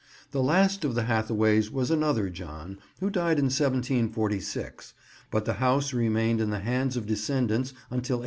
The last of the Hathaways was another John, who died in 1746, but the house remained in the hands of descendants until 1838.